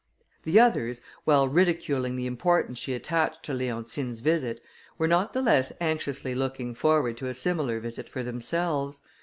The others, while ridiculing the importance she attached to Leontine's visit, were not the less anxiously looking forward to a similar visit for themselves.